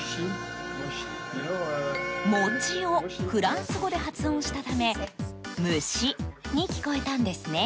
「ＭＯＣＨＩ」をフランス語で発音したため「ムシ」に聞こえたんですね。